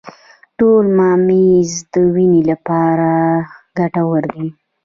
تور ممیز د وینې لپاره ګټور دي.